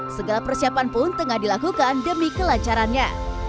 segala persiapan pun tengah dilakukan demi kelancarannya